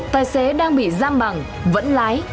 tài xế đang bị giam bằng vẫn lái